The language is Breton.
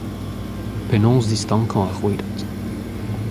Penaos distankañ ar rouedad ?